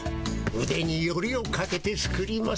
うでによりをかけて作りますよ。